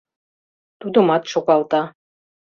Тудымат шогалта.